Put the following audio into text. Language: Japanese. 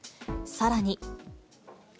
さらに。